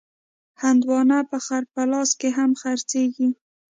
هندوانه په خړ پلاس کې هم خرڅېږي.